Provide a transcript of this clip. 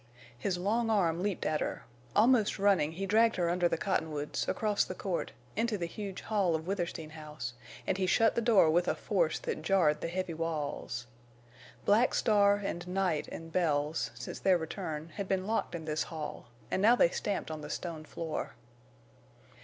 His long arm leaped at her. Almost running, he dragged her under the cottonwoods, across the court, into the huge hall of Withersteen House, and he shut the door with a force that jarred the heavy walls. Black Star and Night and Bells, since their return, had been locked in this hall, and now they stamped on the stone floor.